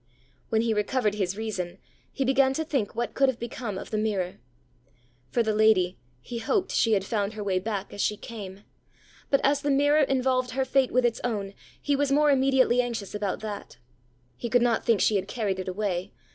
When he recovered his reason, he began to think what could have become of the mirror. For the lady, he hoped she had found her way back as she came; but as the mirror involved her fate with its own, he was more immediately anxious about that. He could not think she had carried it away.